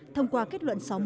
thông qua kết luận sáu mươi một